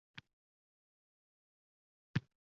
Zamon yaqinlashmagunicha qiyomat qoim bo‘lmaydi.